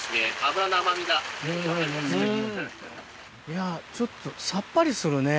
いやちょっとさっぱりするね。